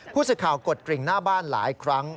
ผู้สื่อข่าวกดกริ่งหน้าบ้านหลายครั้ง